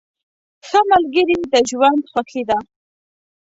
ښه ملګري د ژوند خوښي ده.